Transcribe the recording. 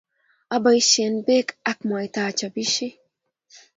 Aboisie pek ak mwaita achopisie